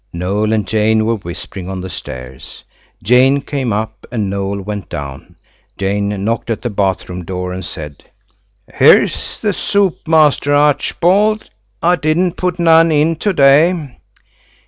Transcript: Noël and Jane were whispering on the stairs. Jane came up and Noël went down. Jane knocked at the bath room door and said– "Here's the soap, Master Archerbald. I didn't put none in to day."